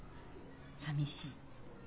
「さみしい。